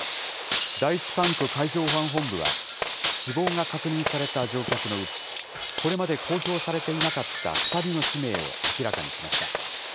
第１管区海上保安本部は死亡が確認された乗客のうち、これまで公表されていなかった２人の氏名を明らかにしました。